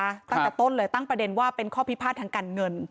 ตั้งแต่ต้นเลยตั้งประเด็นว่าเป็นข้อพิพาททางการเงิน